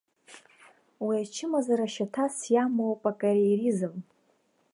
Уи ачымазара шьаҭас иамоуп акариеризм.